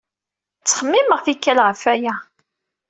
Ttxemmimeɣ tikkal ɣef waya.